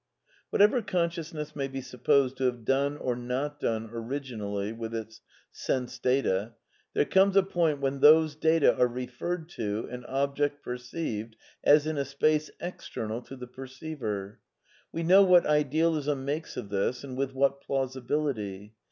) Whatever consciousness may be supposed to have done or not done originally with its sense data, there comes a point when those data are " referred " to an object per ceived as in a space external to the perceiver. We know what Idealism makes of this, and with what plausibility.